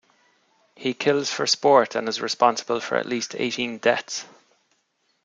He kills for sport and is responsible for at least eighteen deaths.